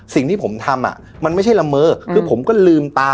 สิ่งที่ผมทำมันไม่ใช่ละเมอคือผมก็ลืมตา